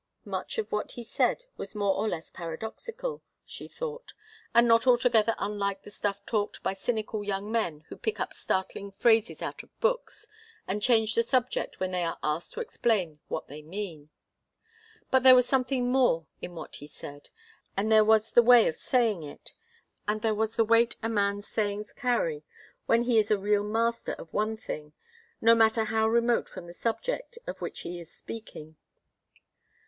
Much of what he said was more or less paradoxical, she thought, and not altogether unlike the stuff talked by cynical young men who pick up startling phrases out of books, and change the subject when they are asked to explain what they mean. But there was something more in what he said, and there was the way of saying it, and there was the weight a man's sayings carry when he is a real master of one thing, no matter how remote from the subject of which he is speaking.